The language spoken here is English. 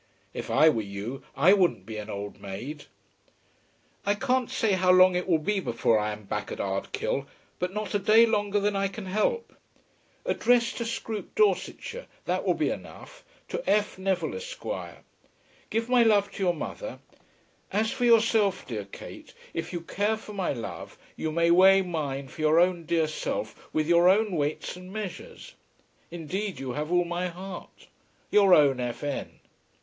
If I were you I wouldn't be an old maid. I can't quite say how long it will be before I am back at Ardkill, but not a day longer than I can help. Address to Scroope, Dorsetshire, that will be enough; to F. Neville, Esq. Give my love to your mother. As for yourself, dear Kate, if you care for my love, you may weigh mine for your own dear self with your own weights and measures. Indeed you have all my heart. Your own F. N.